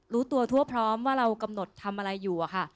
รู้ตัวทั่วพร้อมว่าเรากำหนดทำอะไรอยู่อะค่ะ